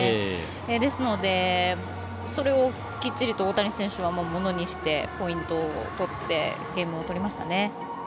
ですのでそれをきっちりと大谷選手は、ものにしてポイントを取ってゲームを取りましたね。